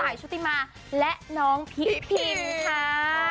ต่ายชุดที่มาและน้องพิพิมค่า